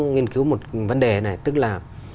nghiên cứu một vấn đề này tức là